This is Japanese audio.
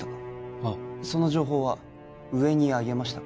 ああその情報は上にあげましたか？